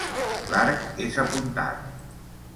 L'arc és apuntat.